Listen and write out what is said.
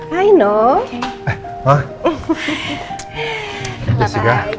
jadi kurang lebih kita sepakat kayak gini ya